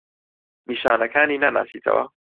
نیشانەکانی ناناسیتەوە؟